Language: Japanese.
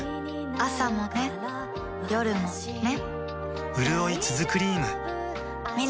朝もね、夜もね